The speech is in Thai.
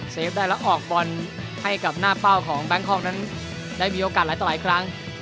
ได้แล้วออกบอลให้กับหน้าเป้าของแบงคอกนั้นได้มีโอกาสหลายต่อหลายครั้ง